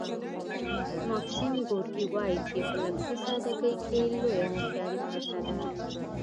ماکسیم ګورکي وايي چې په لفظي ساده ګۍ کې لویه هوښیاري پرته ده